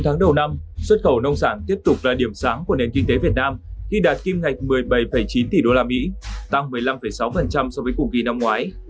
sáu tháng đầu năm xuất khẩu nông sản tiếp tục là điểm sáng của nền kinh tế việt nam khi đạt kim ngạch một mươi bảy chín tỷ usd tăng một mươi năm sáu so với cùng kỳ năm ngoái